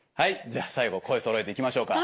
じゃあ最後声そろえていきましょうか。